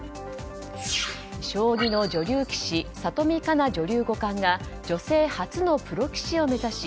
将棋の女流棋士里見香奈女流五冠が女性初のプロ棋士を目指し